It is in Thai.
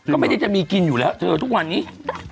ก็ไม่ได้จะมีกินอยู่แล้วเธอทุกวันนี้